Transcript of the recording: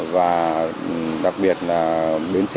và đặc biệt là bến xe